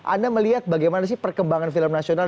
anda melihat bagaimana sih perkembangan film nasional